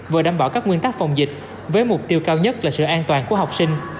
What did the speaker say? vừa đảm bảo các nguyên tắc phòng dịch với mục tiêu cao nhất là sự an toàn của học sinh